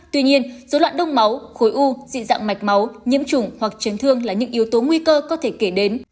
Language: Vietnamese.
tuy nhiên dối loạn đông máu khối u dị dạng mạch máu nhiễm trùng hoặc chấn thương là những yếu tố nguy cơ có thể kể đến